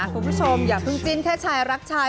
คุณผู้ชมอย่าเพิ่งจิ้นแค่ชายรักชาย